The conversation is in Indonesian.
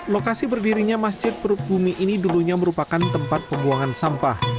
lokasi berdirinya masjid perut bumi ini dulunya merupakan tempat pembuangan sampah